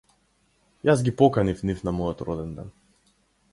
Јас ги поканив нив на мојот роденден.